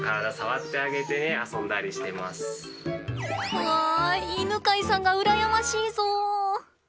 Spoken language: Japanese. うわ犬飼さんが羨ましいぞ！